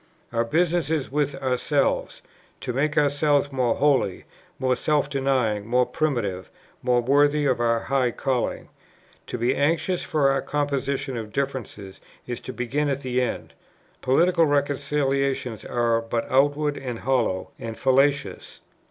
"Our business is with ourselves, to make ourselves more holy, more self denying, more primitive, more worthy of our high calling. To be anxious for a composition of differences is to begin at the end. Political reconciliations are but outward and hollow, and fallacious.